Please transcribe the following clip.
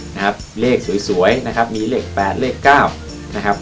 นะครับเลขสวยสวยนะครับมีเลขแปดเลขเก้านะครับ